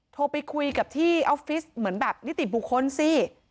โทรไปคุยกับที่ออฟฟิศเหมือนแบบนิติบุคคลสิ